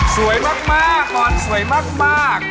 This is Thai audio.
สวยมากนอนสวยมาก